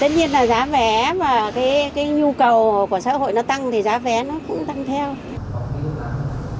tất nhiên là giá vé mà nhu cầu của xã hội tăng thì giá vé cũng tăng theo